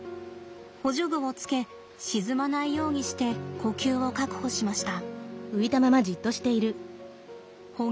補助具をつけ沈まないようにして呼吸を確保しました。